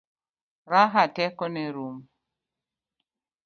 Raha teko ne norumo.